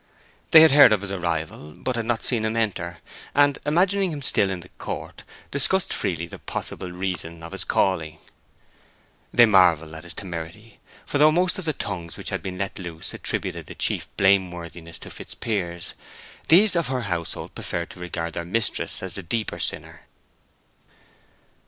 They had heard of his arrival, but had not seen him enter, and, imagining him still in the court, discussed freely the possible reason of his calling. They marvelled at his temerity; for though most of the tongues which had been let loose attributed the chief blame worthiness to Fitzpiers, these of her household preferred to regard their mistress as the deeper sinner.